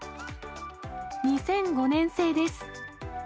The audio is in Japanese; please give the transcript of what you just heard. ２００５年製です。